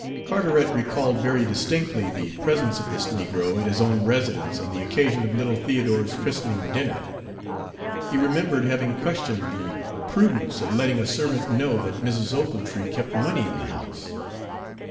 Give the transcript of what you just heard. Carteret recalled very distinctly the presence of this negro at his own residence on the occasion of little Theodore's christening dinner. He remembered having questioned the prudence of letting a servant know that Mrs. Ochiltree kept money in the house.